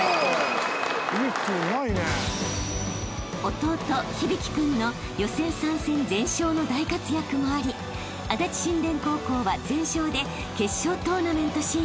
［弟響君の予選３戦全勝の大活躍もあり足立新田高校は全勝で決勝トーナメント進出］